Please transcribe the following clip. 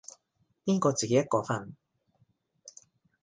邊個自己一個瞓